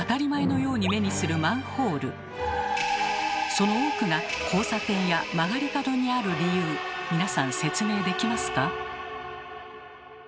その多くが交差点や曲がり角にある理由皆さん説明できますか？